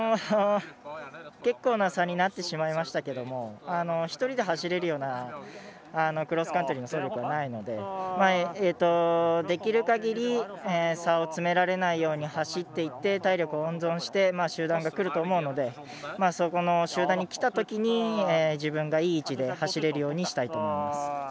結構な差になってしまいましたけれども１人で走れるようなクロスカントリーの走力はないのでできるかぎり差を詰められないように走っていって体力を温存して集団がくると思うのでそこの集団に来たときに自分がいい位置で走れるようにしたいと思います。